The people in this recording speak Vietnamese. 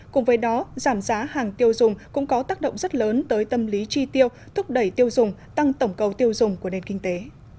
cùng với đó giảm giá hàng tiêu dùng cũng có tác động rất lớn tới tâm lý tri tiêu thúc đẩy tiêu dùng tăng tổng cầu tiêu dùng của nền kinh tế